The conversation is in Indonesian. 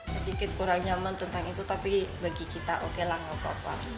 sedikit kurang nyaman tentang itu tapi bagi kita oke lah gak apa apa